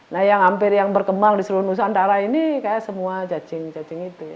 nah yang hampir yang berkembang di seluruh nusantara ini kayak semua cacing cacing itu ya